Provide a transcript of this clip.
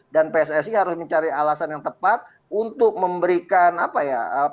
dan pssi harus mencari alasan yang tepat untuk memberikan apa ya